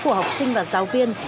của học sinh và giáo viên